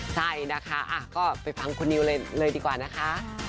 ใช่นะคะก็ไปฟังคุณนิวเลยเลยดีกว่านะคะ